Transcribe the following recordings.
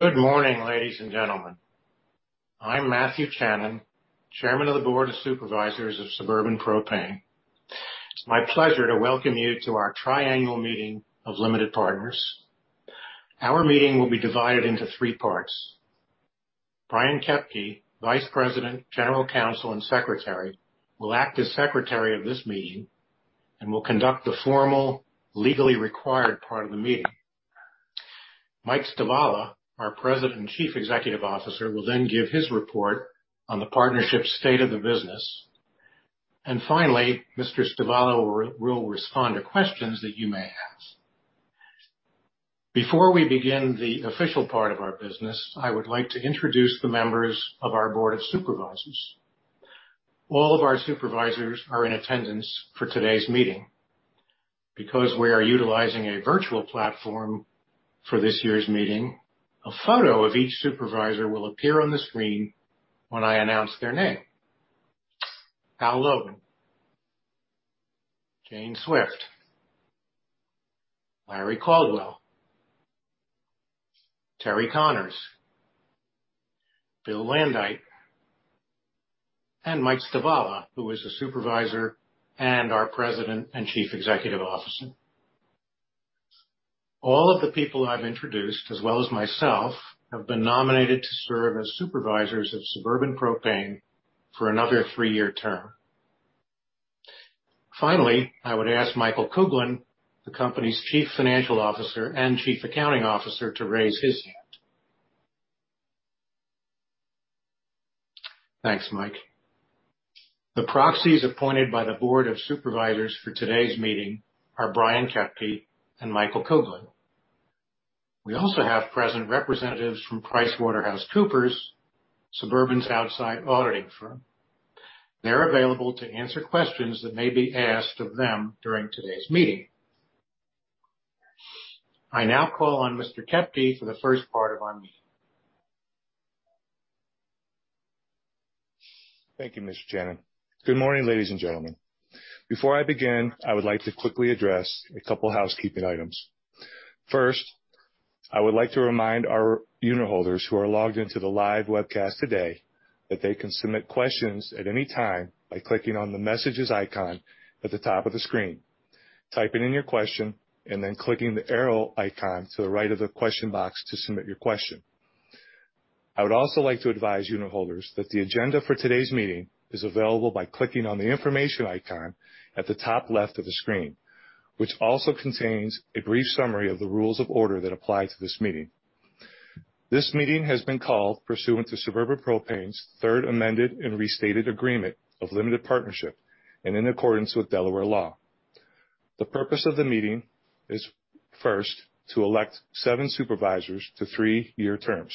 Good morning, ladies and gentlemen. I'm Matthew J. Chanin, Chairman of the Board of Supervisors of Suburban Propane. It's my pleasure to welcome you to our triannual meeting of limited partners. Our meeting will be divided into three parts. Bryon L. Koepke, Vice President, General Counsel, and Secretary, will act as Secretary of this meeting and will conduct the formal, legally required part of the meeting. Michael A. Stivala, our President and Chief Executive Officer, will then give his report on the partnership state of the business. Finally, Mr. Stivala will respond to questions that you may have. Before we begin the official part of our business, I would like to introduce the members of our Board of Supervisors. All of our Supervisors are in attendance for today's meeting. We are utilizing a virtual platform for this year's meeting, a photo of each supervisor will appear on the screen when I announce their name. Harold Logan, Jane Swift, Lawrence Caldwell, Terry Connors, Bill Landuyt, and Mike Stivala, who is a Supervisor and our President and Chief Executive Officer. All of the people I've introduced, as well as myself, have been nominated to serve as supervisors of Suburban Propane for another three-year term. Finally, I would ask Michael A. Kuglin, the company's Chief Financial Officer and Chief Accounting Officer, to raise his hand. Thanks, Mike. The proxies appointed by the Board of Supervisors for today's meeting are Bryon Koepke and Michael A. Kuglin. We also have present representatives from PricewaterhouseCoopers, Suburban's outside auditing firm. They're available to answer questions that may be asked of them during today's meeting. I now call on Mr. Koepke for the first part of our meeting. Thank you, Mr. Chanin. Good morning, ladies and gentlemen. Before I begin, I would like to quickly address a couple housekeeping items. First, I would like to remind our unitholders who are logged into the live webcast today that they can submit questions at any time by clicking on the messages icon at the top of the screen, typing in your question, and then clicking the arrow icon to the right of the question box to submit your question. I would also like to advise unitholders that the agenda for today's meeting is available by clicking on the information icon at the top left of the screen, which also contains a brief summary of the rules of order that apply to this meeting. This meeting has been called pursuant to Suburban Propane's third amended and restated agreement of limited partnership and in accordance with Delaware law. The purpose of the meeting is first, to elect seven supervisors to three-year terms.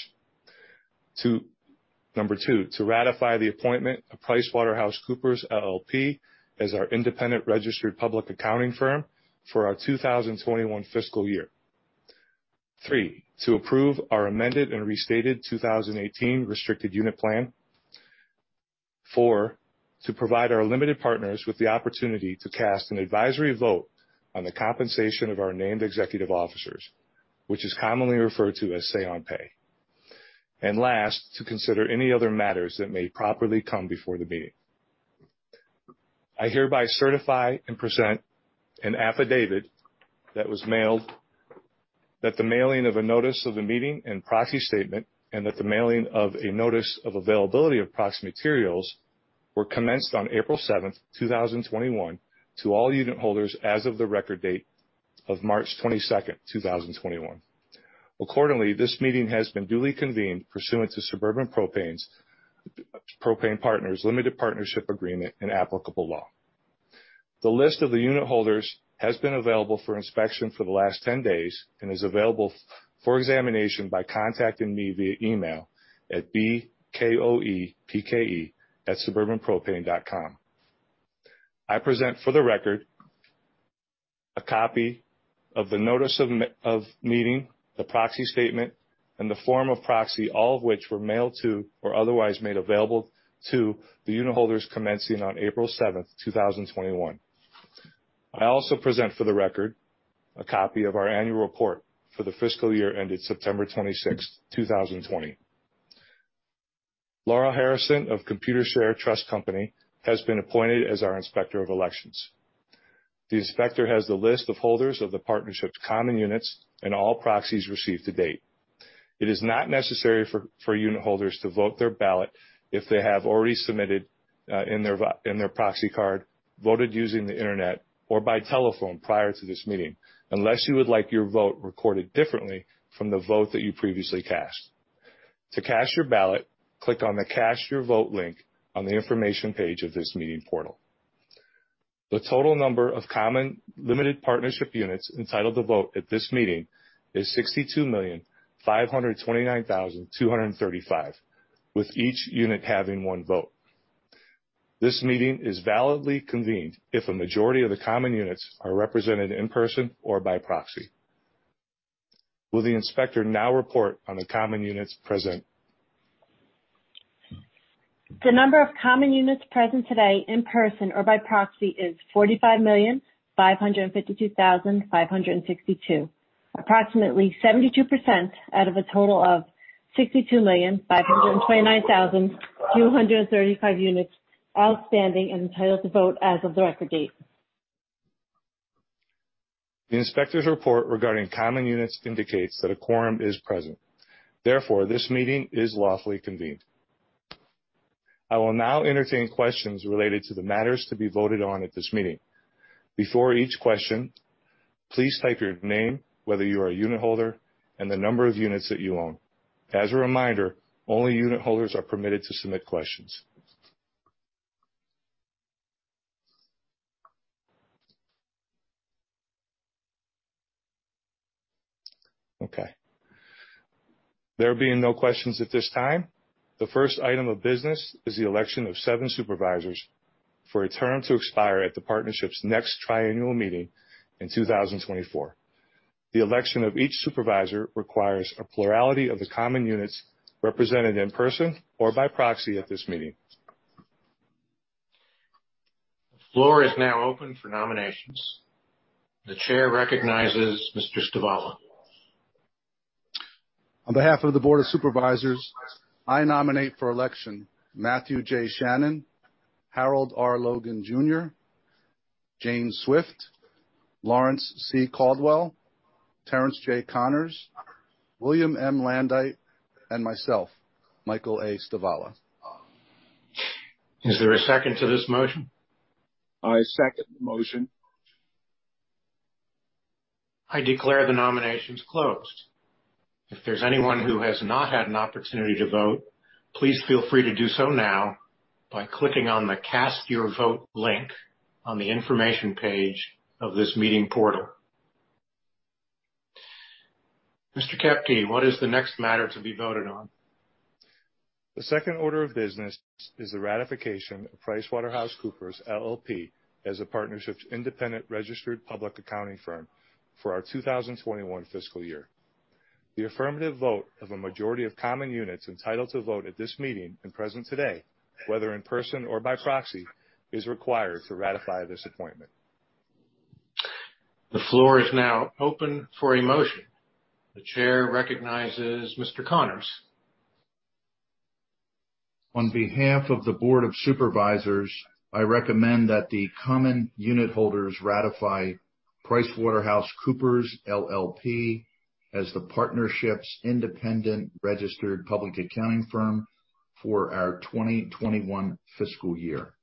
Number two, to ratify the appointment of PricewaterhouseCoopers LLP as our independent registered public accounting firm for our 2021 fiscal year. Three, to approve our amended and restated 2018 Restricted Unit Plan. Four, to provide our limited partners with the opportunity to cast an advisory vote on the compensation of our named executive officers, which is commonly referred to as say on pay. Last, to consider any other matters that may properly come before the meeting. I hereby certify and present an affidavit that the mailing of a notice of the meeting and proxy statement and that the mailing of a notice of availability of proxy materials were commenced on April 7, 2021, to all unitholders as of the record date of March 22, 2021. Accordingly, this meeting has been duly convened pursuant to Suburban Propane Partners Limited Partnership Agreement and applicable law. The list of the unitholders has been available for inspection for the last 10 days and is available for examination by contacting me via email at bkoepke@suburbanpropane.com. I present for the record a copy of the notice of meeting, the proxy statement, and the form of proxy, all of which were mailed to or otherwise made available to the unitholders commencing on April 7th, 2021. I also present for the record a copy of our annual report for the fiscal year ended September 26th, 2020. Laurel Harrison of Computershare Trust Company has been appointed as our Inspector of Elections. The inspector has the list of holders of the partnership's common units and all proxies received to date. It is not necessary for unitholders to vote their ballot if they have already submitted in their proxy card, voted using the Internet or by telephone prior to this meeting, unless you would like your vote recorded differently from the vote that you previously cast. To cast your ballot, click on the cast your vote link on the information page of this meeting portal. The total number of common limited partnership units entitled to vote at this meeting is 62,529,235, with each unit having one vote. This meeting is validly convened if a majority of the common units are represented in person or by proxy. Will the Inspector now report on the common units present? The number of common units present today in person or by proxy is 45,552,562, approximately 72% out of a total of 62,529,235 units outstanding and entitled to vote as of the record date. The inspector's report regarding common units indicates that a quorum is present, therefore, this meeting is lawfully convened. I will now entertain questions related to the matters to be voted on at this meeting. Before each question, please state your name, whether you are a unitholder, and the number of units that you own. As a reminder, only unitholders are permitted to submit questions. Okay. There being no questions at this time, the first item of business is the election of seven supervisors for a term to expire at the partnership's next tri-annual meeting in 2024. The election of each supervisor requires a plurality of the common units represented in person or by proxy at this meeting. The floor is now open for nominations. The chair recognizes Mr. Stivala. On behalf of the Board of Supervisors, I nominate for election Matthew J. Chanin, Harold R. Logan, Jr., Jane Swift, Lawrence C. Caldwell, Terence J. Connors, William M. Landuyt, and myself, Michael A. Stivala. Is there a second to this motion? I second the motion. I declare the nominations closed. If there's anyone who has not had an opportunity to vote, please feel free to do so now by clicking on the Cast Your Vote link on the information page of this meeting portal. Mr. Koepke, what is the next matter to be voted on? The second order of business is the ratification of PricewaterhouseCoopers, LLP as the partnership's independent registered public accounting firm for our 2021 fiscal year. The affirmative vote of a majority of common units entitled to vote at this meeting and present today, whether in person or by proxy, is required to ratify this appointment. The floor is now open for a motion. The chair recognizes Mr. Connors. On behalf of the Board Of Supervisors, I recommend that the common unitholders ratify PricewaterhouseCoopers LLP as the partnership's independent registered public accounting firm for our 2021 fiscal year.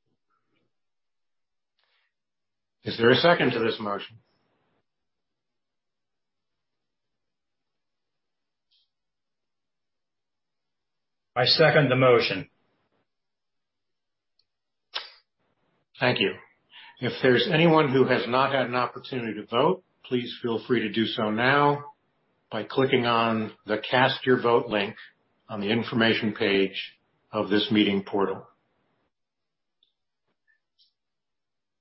Is there a second to this motion? I second the motion. Thank you. If there's anyone who has not had an opportunity to vote, please feel free to do so now by clicking on the Cast Your Vote link on the information page of this meeting portal.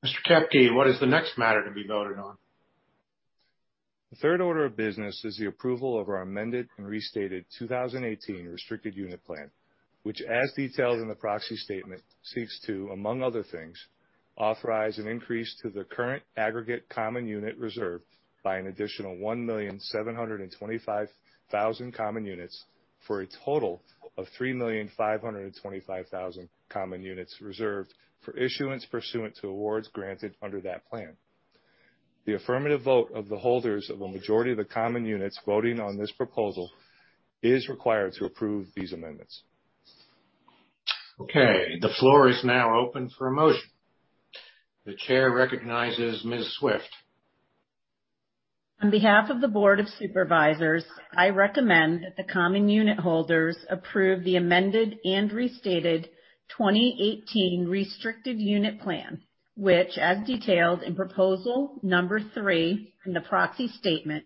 Mr. Koepke, what is the next matter to be voted on? The third order of business is the approval of our amended and restated 2018 Restricted Unit Plan, which, as detailed in the proxy statement, seeks to, among other things, authorize an increase to the current aggregate common unit reserve by an additional 1,725,000 common units for a total of 3,525,000 common units reserved for issuance pursuant to awards granted under that plan. The affirmative vote of the holders of a majority of the common units voting on this proposal is required to approve these amendments. Okay. The floor is now open for a motion. The chair recognizes Ms. Swift. On behalf of the Board of Supervisors, I recommend that the common unitholders approve the amended and restated 2018 Restricted Unit Plan, which, as detailed in proposal number three in the proxy statement,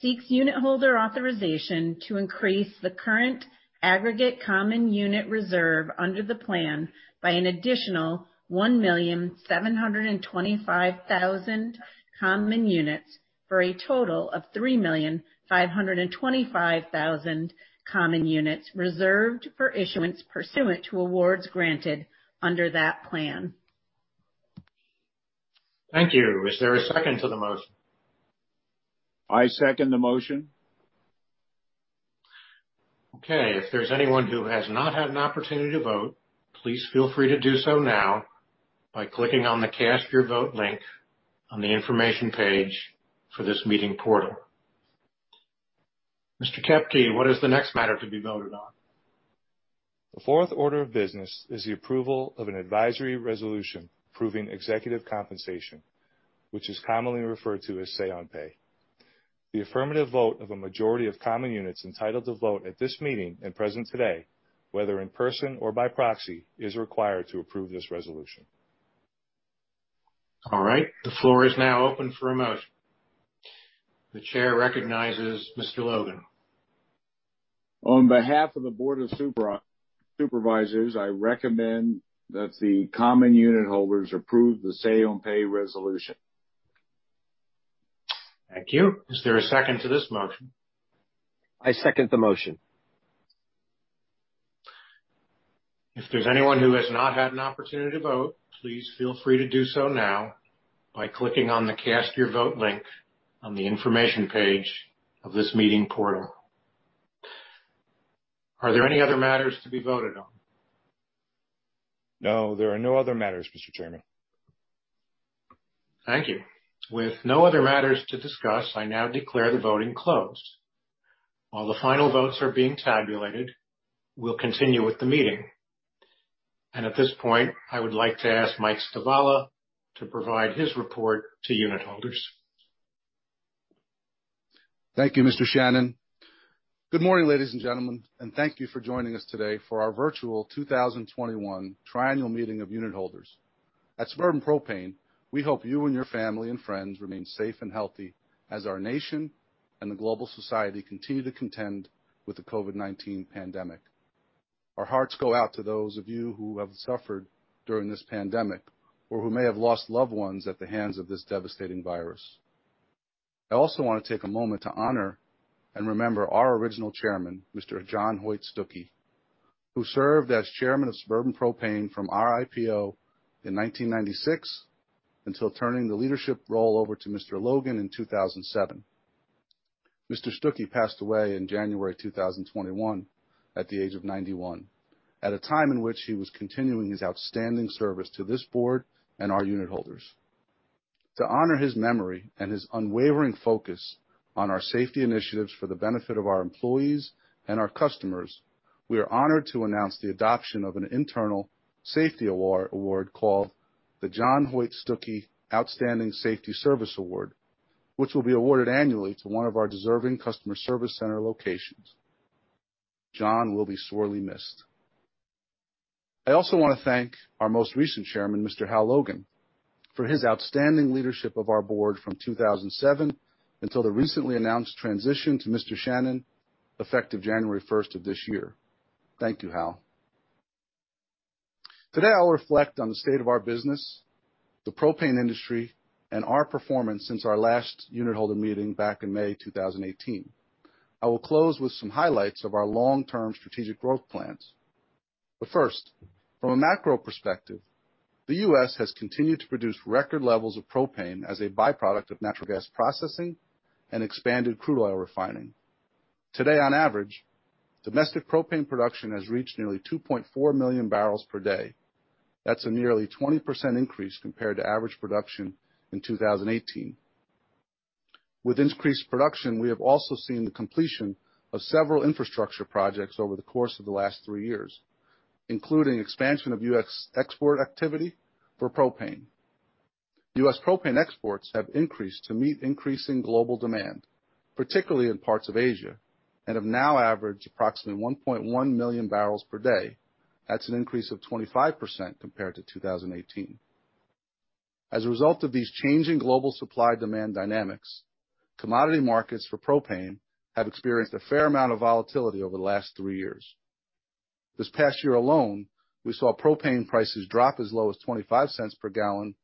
seeks unitholder authorization to increase the current aggregate common unit reserve under the plan by an additional 1,725,000 common units for a total of 3,525,000 common units reserved for issuance pursuant to awards granted under that plan. Thank you. Is there a second to the motion? I second the motion. Okay. If there's anyone who has not had an opportunity to vote, please feel free to do so now by clicking on the Cast Your Vote link on the information page for this meeting portal. Mr. Koepke, what is the next matter to be voted on? The fourth order of business is the approval of an advisory resolution approving executive compensation, which is commonly referred to as say on pay. The affirmative vote of a majority of common units entitled to vote at this meeting and present today, whether in person or by proxy, is required to approve this resolution. All right. The floor is now open for a motion. The chair recognizes Mr. Logan. On behalf of the Board of Supervisors, I recommend that the common unitholders approve the say on pay resolution. Thank you. Is there a second to this motion? I second the motion. If there's anyone who has not had an opportunity to vote, please feel free to do so now by clicking on the Cast Your Vote link on the information page of this meeting portal. Are there any other matters to be voted on? No, there are no other matters, Mr. Chairman. Thank you. With no other matters to discuss, I now declare the voting closed. While the final votes are being tabulated, we'll continue with the meeting. At this point, I would like to ask Michael A. Stivala to provide his report to unit holders. Thank you, Mr. Chanin. Good morning, ladies and gentlemen, and thank you for joining us today for our virtual 2021 triannual meeting of unit holders. At Suburban Propane, we hope you and your family and friends remain safe and healthy as our nation and the global society continue to contend with the COVID-19 pandemic. Our hearts go out to those of you who have suffered during this pandemic or who may have lost loved ones at the hands of this devastating virus. I also want to take a moment to honor and remember our original chairman, Mr. John Hoyt Stookey, who served as chairman of Suburban Propane from our IPO in 1996 until turning the leadership role over to Mr. Logan in 2007. Mr. Stookey passed away in January 2021 at the age of 91, at a time in which he was continuing his outstanding service to this board and our unit holders. To honor his memory and his unwavering focus on our safety initiatives for the benefit of our employees and our customers, we are honored to announce the adoption of an internal safety award called the John Hoyt Stookey Outstanding Safety Service Award, which will be awarded annually to one of our deserving customer service center locations. John will be sorely missed. I also want to thank our most recent Chairman, Harold R. Logan, Jr., for his outstanding leadership of our board from 2007 until the recently announced transition to Matthew J. Chanin, effective January 1st of this year. Thank you, Harold R. Logan, Jr. Today, I'll reflect on the state of our business, the propane industry, and our performance since our last unit holder meeting back in May 2018. I will close with some highlights of our long-term strategic growth plans. First, from a macro perspective, the U.S. has continued to produce record levels of propane as a by-product of natural gas processing and expanded crude oil refining. Today, on average, domestic propane production has reached nearly 2.4 million barrels per day. That's a nearly 20% increase compared to average production in 2018. With increased production, we have also seen the completion of several infrastructure projects over the course of the last three years, including expansion of U.S. export activity for propane. U.S. propane exports have increased to meet increasing global demand, particularly in parts of Asia, and have now averaged approximately 1.1 million barrels per day. That's an increase of 25% compared to 2018. As a result of these changing global supply-demand dynamics, commodity markets for propane have experienced a fair amount of volatility over the last three years. This past year alone, we saw propane prices drop as low as $0.25 per gallon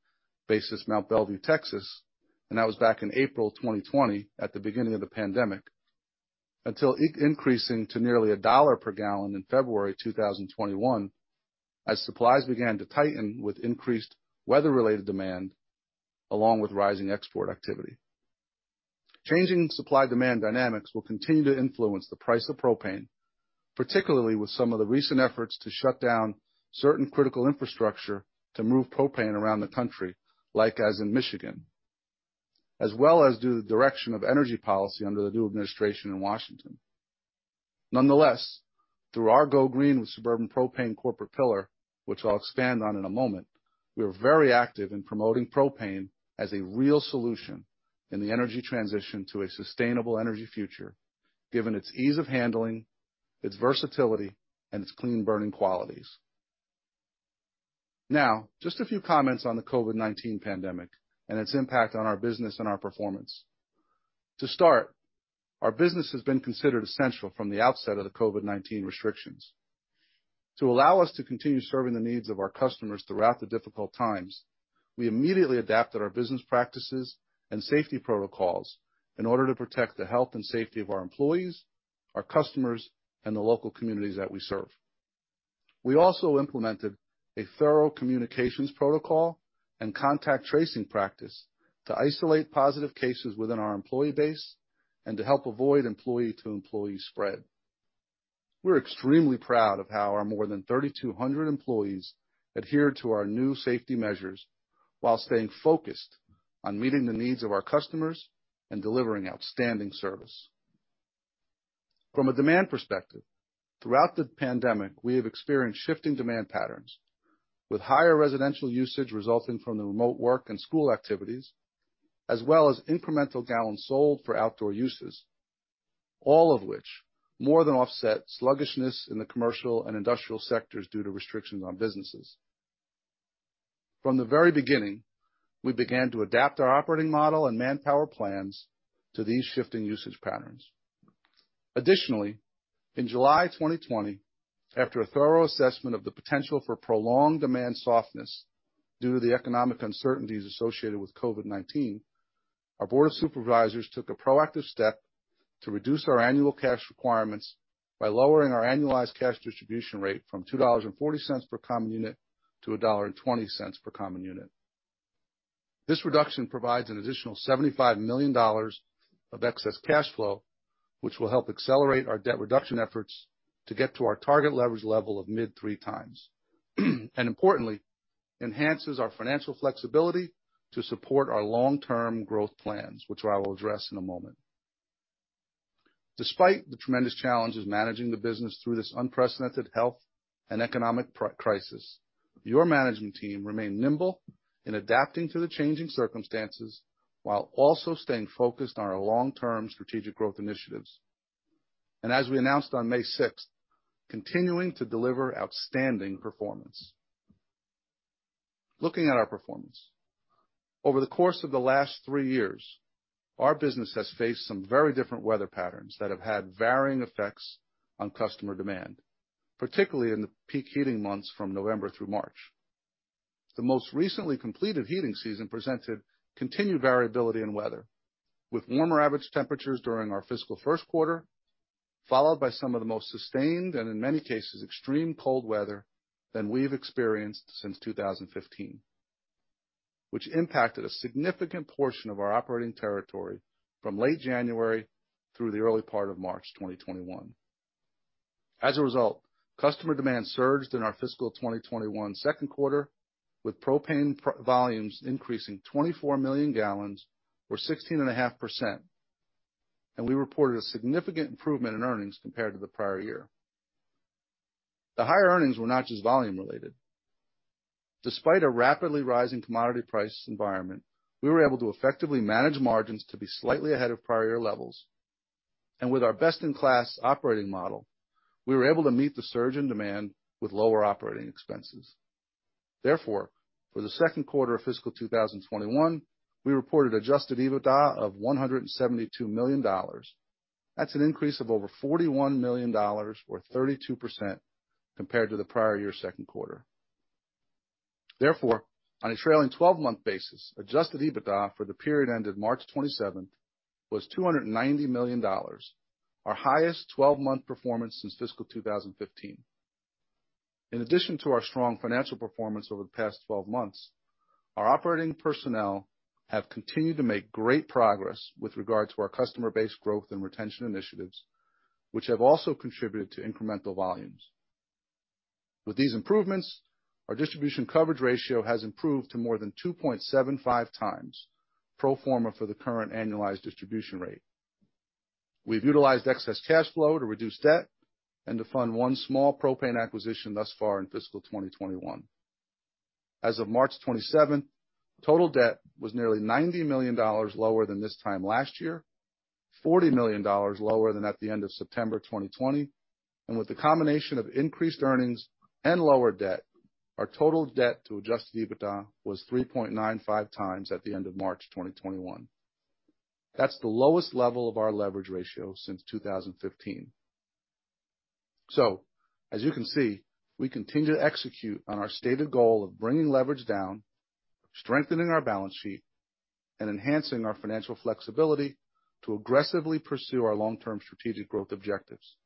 basis Mont Belvieu, Texas, and that was back in April 2020 at the beginning of the pandemic, until increasing to nearly $1 per gallon in February 2021, as supplies began to tighten with increased weather-related demand, along with rising export activity. Changing supply-demand dynamics will continue to influence the price of propane, particularly with some of the recent efforts to shut down certain critical infrastructure to move propane around the country, like as in Michigan, as well as due to the direction of energy policy under the new administration in Washington. Nonetheless, through our Go Green with Suburban Propane corporate pillar, which I'll expand on in a moment, we are very active in promoting propane as a real solution in the energy transition to a sustainable energy future, given its ease of handling, its versatility, and its clean burning qualities. Now, just a few comments on the COVID-19 pandemic and its impact on our business and our performance. To start, our business has been considered essential from the outset of the COVID-19 restrictions. To allow us to continue serving the needs of our customers throughout the difficult times, we immediately adapted our business practices and safety protocols in order to protect the health and safety of our employees, our customers, and the local communities that we serve. We also implemented a thorough communications protocol and contact tracing practice to isolate positive cases within our employee base and to help avoid employee-to-employee spread. We're extremely proud of how our more than 3,200 employees adhere to our new safety measures while staying focused on meeting the needs of our customers and delivering outstanding service. From a demand perspective, throughout the pandemic, we have experienced shifting demand patterns with higher residential usage resulting from the remote work and school activities, as well as incremental gallons sold for outdoor uses, all of which more than offset sluggishness in the commercial and industrial sectors due to restrictions on businesses. From the very beginning, we began to adapt our operating model and manpower plans to these shifting usage patterns. Additionally, in July 2020, after a thorough assessment of the potential for prolonged demand softness due to the economic uncertainties associated with COVID-19, our Board of Supervisors took a proactive step to reduce our annual cash requirements by lowering our annualized cash distribution rate from $2.40 per common unit to $1.20 per common unit. This reduction provides an additional $75 million of excess cash flow, which will help accelerate our debt reduction efforts to get to our target leverage level of mid three times. Importantly, enhances our financial flexibility to support our long-term growth plans, which I will address in a moment. Despite the tremendous challenges managing the business through this unprecedented health and economic crisis, your management team remained nimble in adapting to the changing circumstances while also staying focused on our long-term strategic growth initiatives. As we announced on May 6th, continuing to deliver outstanding performance. Looking at our performance, over the course of the last three years, our business has faced some very different weather patterns that have had varying effects on customer demand, particularly in the peak heating months from November through March. The most recently completed heating season presented continued variability in weather, with warmer average temperatures during our fiscal first quarter, followed by some of the most sustained, and in many cases, extreme cold weather than we've experienced since 2015, which impacted a significant portion of our operating territory from late January through the early part of March 2021. As a result, customer demand surged in our fiscal 2021 second quarter, with propane volumes increasing 24 million gallons or 16.5%. We reported a significant improvement in earnings compared to the prior year. The higher earnings were not just volume related. Despite a rapidly rising commodity price environment, we were able to effectively manage margins to be slightly ahead of prior year levels. With our best-in-class operating model, we were able to meet the surge in demand with lower operating expenses. Therefore, for the second quarter of fiscal 2021, we reported adjusted EBITDA of $172 million. That's an increase of over $41 million or 32% compared to the prior year second quarter. Therefore, on a trailing 12-month basis, adjusted EBITDA for the period ended March 27th was $290 million, our highest 12-month performance since fiscal 2015. In addition to our strong financial performance over the past 12 months, our operating personnel have continued to make great progress with regard to our customer base growth and retention initiatives, which have also contributed to incremental volumes. With these improvements, our distribution coverage ratio has improved to more than 2.75 times pro forma for the current annualized distribution rate. We've utilized excess cash flow to reduce debt and to fund one small propane acquisition thus far in fiscal 2021. As of March 27th, total debt was nearly $90 million lower than this time last year, $40 million lower than at the end of September 2020. With the combination of increased earnings and lower debt, our total debt to adjusted EBITDA was 3.95 times at the end of March 2021. That's the lowest level of our leverage ratio since 2015. As you can see, we continue to execute on our stated goal of bringing leverage down, strengthening our balance sheet, and enhancing our financial flexibility to aggressively pursue our long-term strategic growth objectives.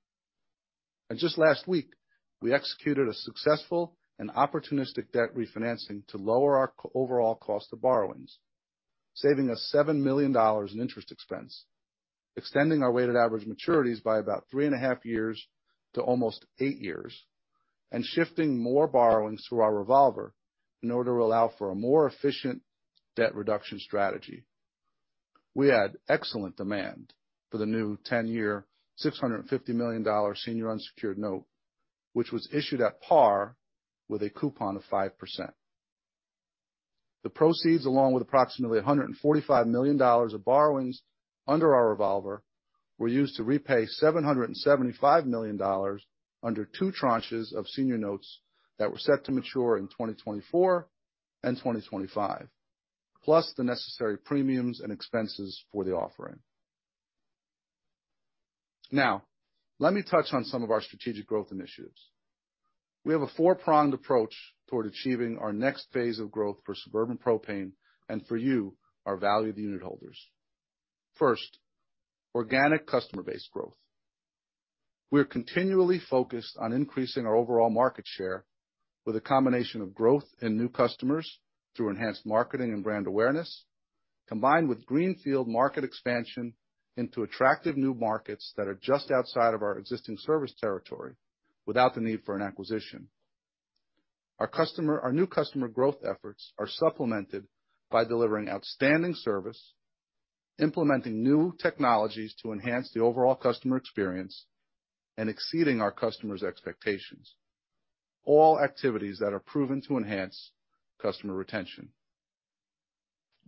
Just last week, we executed a successful and opportunistic debt refinancing to lower our overall cost of borrowings, saving us $7 million in interest expense, extending our weighted average maturities by about three and a half years to almost eight years, and shifting more borrowings through our revolver in order to allow for a more efficient debt reduction strategy. We had excellent demand for the new 10-year, $650 million senior unsecured note, which was issued at par with a coupon of 5%. The proceeds, along with approximately $145 million of borrowings under our revolver, were used to repay $775 million under two tranches of senior notes that were set to mature in 2024 and 2025, plus the necessary premiums and expenses for the offering. Let me touch on some of our strategic growth initiatives. We have a four-pronged approach toward achieving our next phase of growth for Suburban Propane and for you, our valued unit holders. First, organic customer base growth. We are continually focused on increasing our overall market share with a combination of growth in new customers through enhanced marketing and brand awareness, combined with greenfield market expansion into attractive new markets that are just outside of our existing service territory without the need for an acquisition. Our new customer growth efforts are supplemented by delivering outstanding service, implementing new technologies to enhance the overall customer experience, and exceeding our customers' expectations. All activities that are proven to enhance customer retention.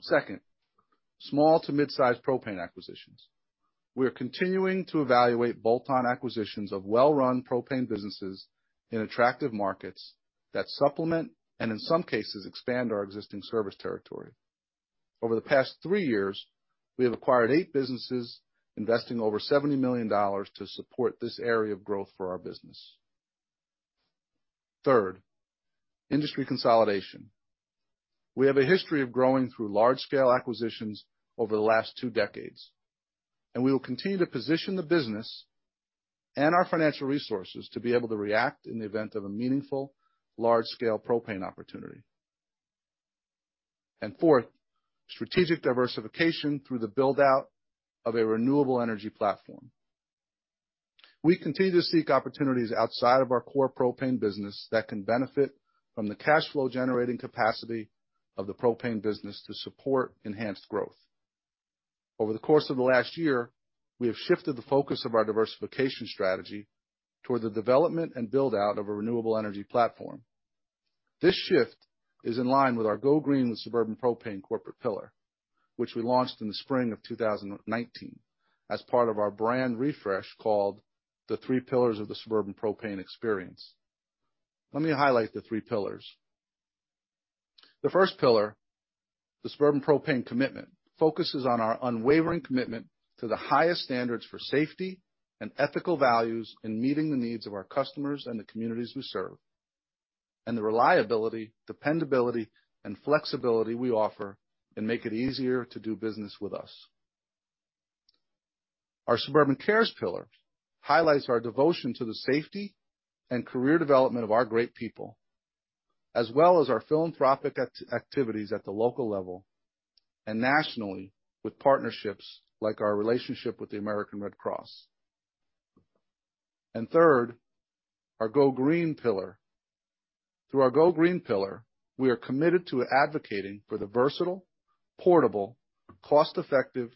Second, small to mid-size propane acquisitions. We are continuing to evaluate bolt-on acquisitions of well-run propane businesses in attractive markets that supplement, and in some cases expand our existing service territory. Over the past three years, we have acquired eight businesses, investing over $70 million to support this area of growth for our business. Third, industry consolidation. We have a history of growing through large-scale acquisitions over the last two decades, and we will continue to position the business and our financial resources to be able to react in the event of a meaningful, large-scale propane opportunity. Fourth, strategic diversification through the build-out of a renewable energy platform. We continue to seek opportunities outside of our core propane business that can benefit from the cash flow generating capacity of the propane business to support enhanced growth. Over the course of the last year, we have shifted the focus of our diversification strategy toward the development and build-out of a renewable energy platform. This shift is in line with our Go Green with Suburban Propane corporate pillar, which we launched in the spring of 2019 as part of our brand refresh called The Three Pillars of the Suburban Propane Experience. Let me highlight the three pillars. The first pillar, the Suburban Propane Commitment, focuses on our unwavering commitment to the highest standards for safety and ethical values in meeting the needs of our customers and the communities we serve. The reliability, dependability, and flexibility we offer and make it easier to do business with us. Our Suburban Cares pillar highlights our devotion to the safety and career development of our great people, as well as our philanthropic activities at the local level and nationally with partnerships like our relationship with the American Red Cross. Third, our Go Green pillar. Through our Go Green pillar, we are committed to advocating for the versatile, portable, cost-effective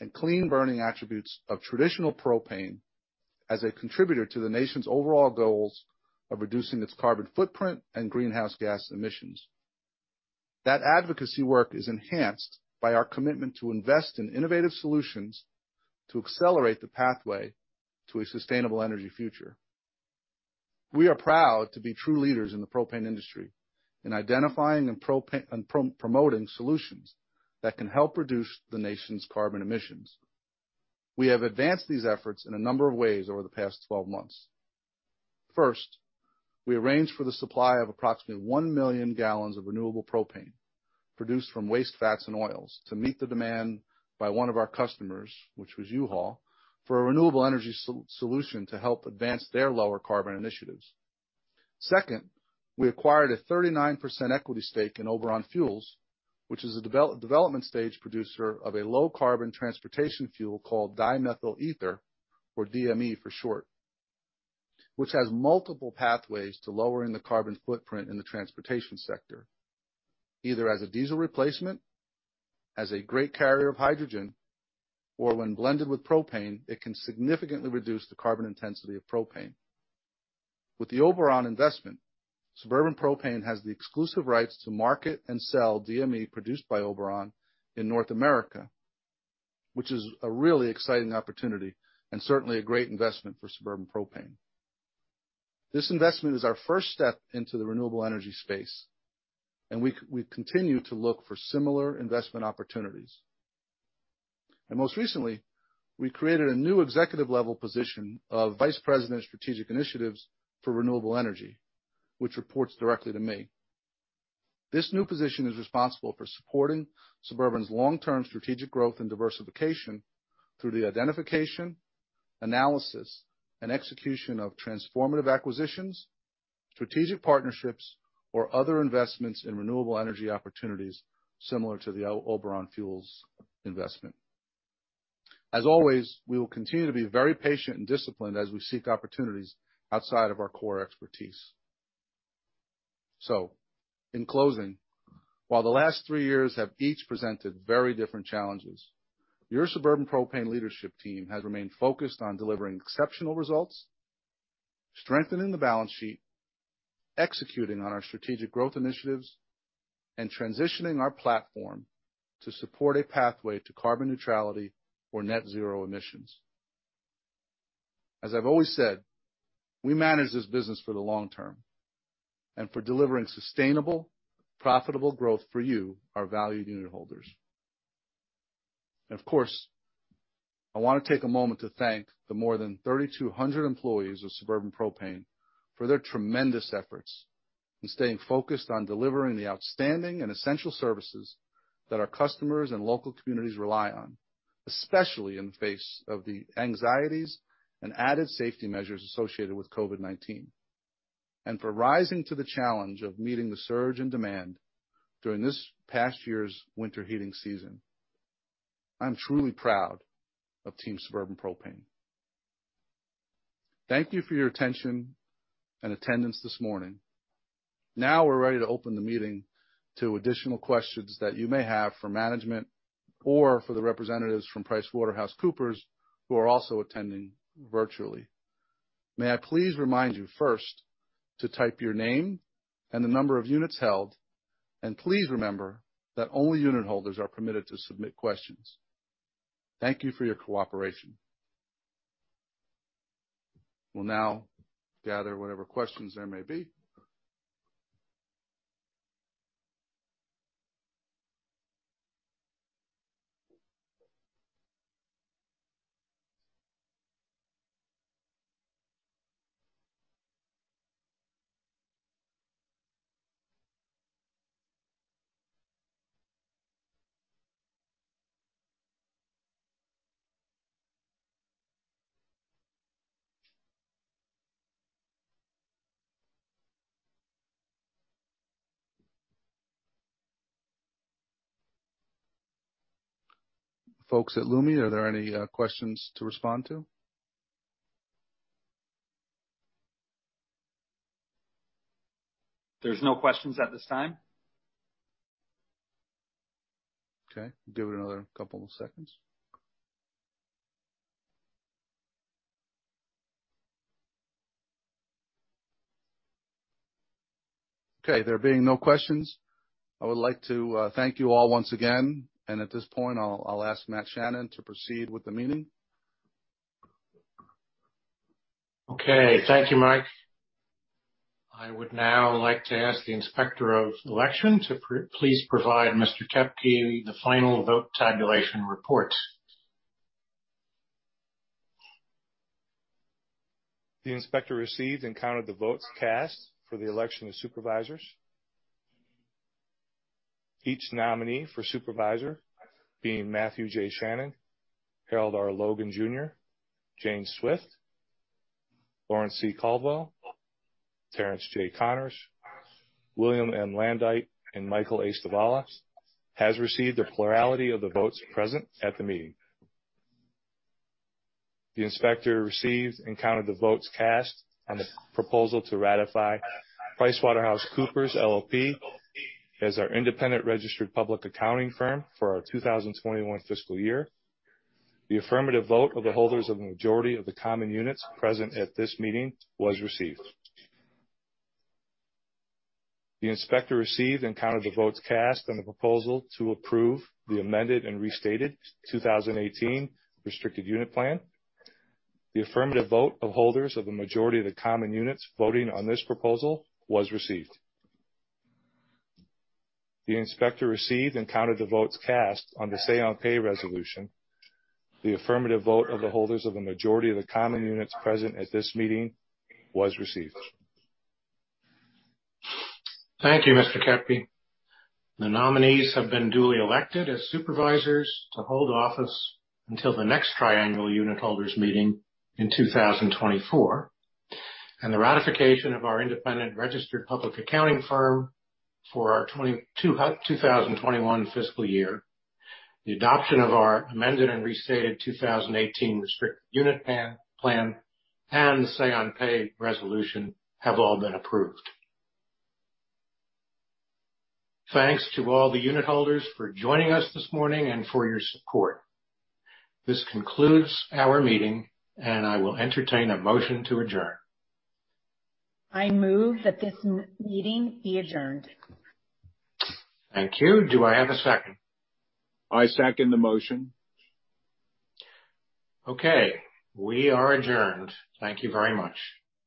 and clean burning attributes of traditional propane as a contributor to the nation's overall goals of reducing its carbon footprint and greenhouse gas emissions. That advocacy work is enhanced by our commitment to invest in innovative solutions to accelerate the pathway to a sustainable energy future. We are proud to be true leaders in the propane industry in identifying and promoting solutions that can help reduce the nation's carbon emissions. We have advanced these efforts in a number of ways over the past 12 months. First, we arranged for the supply of approximately 1 million gallons of renewable propane produced from waste fats and oils to meet the demand by one of our customers, which was U-Haul, for a renewable energy solution to help advance their lower-carbon initiatives. Second, we acquired a 39% equity stake in Oberon Fuels, which is a development stage producer of a low-carbon transportation fuel called dimethyl ether, or DME for short, which has multiple pathways to lowering the carbon footprint in the transportation sector, either as a diesel replacement, as a great carrier of hydrogen, or when blended with propane, it can significantly reduce the carbon intensity of propane. With the Oberon investment, Suburban Propane has the exclusive rights to market and sell DME produced by Oberon in North America, which is a really exciting opportunity and certainly a great investment for Suburban Propane. This investment is our first step into the renewable energy space, and we continue to look for similar investment opportunities. Most recently, we created a new executive level position of Vice President of Strategic Initiatives for Renewable Energy, which reports directly to me. This new position is responsible for supporting Suburban's long-term strategic growth and diversification through the identification, analysis, and execution of transformative acquisitions, strategic partnerships, or other investments in renewable energy opportunities similar to the Oberon Fuels investment. As always, we will continue to be very patient and disciplined as we seek opportunities outside of our core expertise. In closing, while the last three years have each presented very different challenges, your Suburban Propane leadership team has remained focused on delivering exceptional results, strengthening the balance sheet, executing on our strategic growth initiatives, and transitioning our platform to support a pathway to carbon neutrality or net zero emissions. As I've always said, we manage this business for the long term, for delivering sustainable, profitable growth for you, our valued unit holders. Of course, I want to take a moment to thank the more than 3,200 employees of Suburban Propane for their tremendous efforts in staying focused on delivering the outstanding and essential services that our customers and local communities rely on, especially in the face of the anxieties and added safety measures associated with COVID-19, for rising to the challenge of meeting the surge in demand during this past year's winter heating season. I'm truly proud of Team Suburban Propane. Thank you for your attention and attendance this morning. Now we're ready to open the meeting to additional questions that you may have for management or for the representatives from PricewaterhouseCoopers, who are also attending virtually. May I please remind you first to type your name and the number of units held, and please remember that only unit holders are permitted to submit questions. Thank you for your cooperation. We'll now gather whatever questions there may be. Folks at Lumi, are there any questions to respond to? There's no questions at this time? Okay, give it another couple of seconds. Okay, there being no questions, I would like to thank you all once again, and at this point, I'll ask Matthew J. Chanin to proceed with the meeting. Okay. Thank you, Mike. I would now like to ask the Inspector of Election to please provide Mr. Koepke the final vote tabulation report. The inspector received and counted the votes cast for the election of supervisors. Each nominee for supervisor, being Matthew J. Chanin, Harold R. Logan, Jr., Jane Swift, Lawrence C. Caldwell, Terence J. Connors, William M. Landuyt, and Michael A. Stivala, has received a plurality of the votes present at the meeting. The inspector received and counted the votes cast on the proposal to ratify PricewaterhouseCoopers LLP as our independent registered public accounting firm for our 2021 fiscal year. The affirmative vote of the holders of the majority of the common units present at this meeting was received. The inspector received and counted the votes cast on the proposal to approve the amended and restated 2018 Restricted Unit Plan. The affirmative vote of holders of the majority of the common units voting on this proposal was received. The inspector received and counted the votes cast on the say on pay resolution. The affirmative vote of the holders of the majority of the common units present at this meeting was received. Thank you, Mr. Koepke. The nominees have been duly elected as supervisors to hold office until the next triannual unit holders meeting in 2024, and the ratification of our independent registered public accounting firm for our 2021 fiscal year, the adoption of our amended and restated 2018 Restricted Unit Plan, and the say on pay resolution have all been approved. Thanks to all the unit holders for joining us this morning and for your support. This concludes our meeting, and I will entertain a motion to adjourn. I move that this meeting be adjourned. Thank you. Do I have a second? I second the motion. Okay. We are adjourned. Thank you very much.